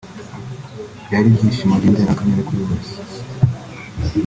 Byari ibyishimo by’indengakamere kuri bose